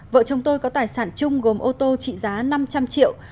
vợ chồng tôi có tài sản chung gồm ô tô trị giá năm trăm linh triệu